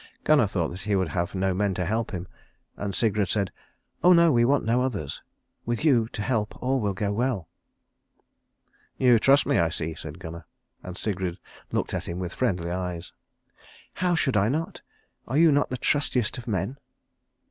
Gunnar thought that he would have no men to help him, and Sigrid said, "Oh no, we want no others. With you to help all will go well." "You trust me, I see," said Gunnar, and Sigrid looked at him with friendly eyes. "How should I not? Are you not the trustiest of men?"